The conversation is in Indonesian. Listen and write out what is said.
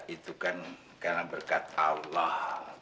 itu kan karena berkat allah